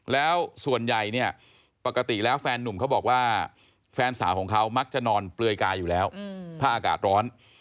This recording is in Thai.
แล้วส่วนใหญ่เนี่ยปกติแล้วแฟนนุ่มเขาบอกว่าแฟนสาวของเขามักจะนอนเปลือยกายอยู่แล้วถ้าอากาศร้อน